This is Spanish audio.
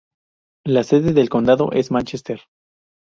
La sede de condado es Manchester.